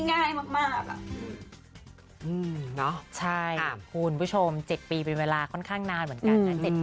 มันไม่ได้แบบเป็นอะไรที่ง่ายมากอ่ะคุณผู้ชม๗ปีเป็นเวลาค่อนข้างนานเหมือนกันนะ